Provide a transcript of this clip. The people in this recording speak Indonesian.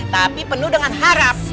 tapi penuh dengan harap